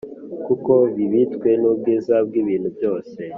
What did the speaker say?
kuko bibitswe n’ubwiza bw’ibintu byose